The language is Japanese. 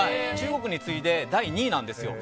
中国に次いで第２位なんです。